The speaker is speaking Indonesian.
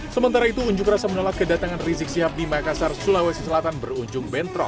sementara itu unjuk rasa menolak kedatangan rizik sihab di makassar sulawesi selatan berujung bentrok